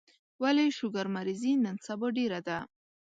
ولي شوګر مريضي نن سبا ډيره ده